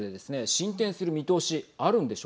進展する見通し